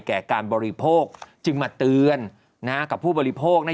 แก่การบริโภคจึงมาเตือนกับผู้บริโภค